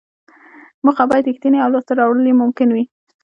موخه باید ریښتینې او لاسته راوړل یې ممکن وي.